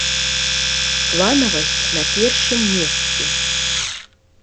Планавасць на першым месцы!